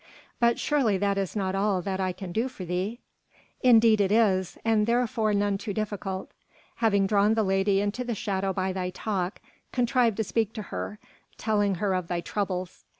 "But surely that is not all that I can do for thee." "Indeed it is, and therefore none too difficult. Having drawn the lady into the shadow by thy talk, contrive to speak to her, telling her of thy troubles.